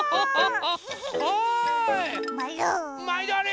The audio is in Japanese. まいどあり！